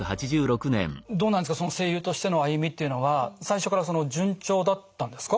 どうなんですかその声優としての歩みっていうのは最初から順調だったんですか？